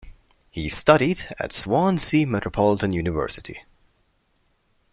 He studied at Swansea Metropolitan University.